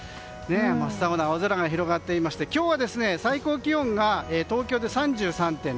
真っ青な青空が広がっていまして今日は最高気温が東京で３３．６度。